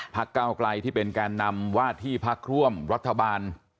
พักเก้าไกลที่เป็นการนำวาดที่พักร่วมรัฐบาล